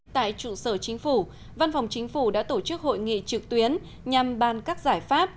tại trụ sở chính phủ văn phòng chính phủ đã tổ chức hội nghị trực tuyến nhằm bàn các giải pháp